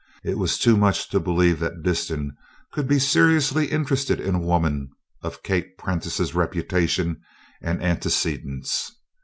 It was too much to believe that Disston could be seriously interested in a woman of Kate Prentice's reputation and antecedents.